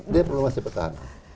dia perlu masih bertahan